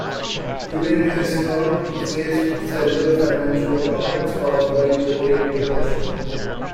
During his term, he faced several financial problems caused by the Great Depression.